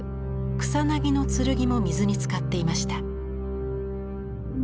「草薙の剣」も水につかっていました。